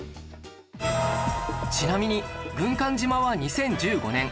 ちなみに軍艦島は２０１５年